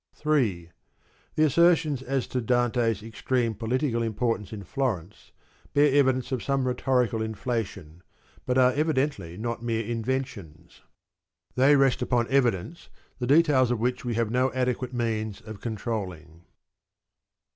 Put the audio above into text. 3. The assertions as to Dante's extreme political im portance in Florence bear evidence of some rhetorical inflation, but are evidently not mere inventions. They vi. rest upon evidence, the details of which we have no adequate means of controlling.